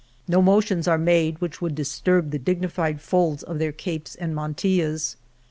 No motions are made which would disturb the dignified folds of their capes and miantil las.